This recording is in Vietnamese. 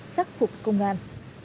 xác phục công an